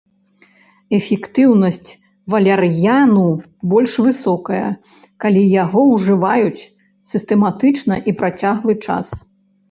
Эфектыўнасць валяр'яну больш высокая, калі яго ўжываюць сістэматычна і працяглы час.